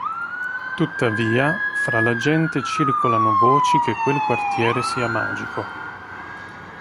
Tuttavia, fra la gente circolano voci che quel quartiere sia magico.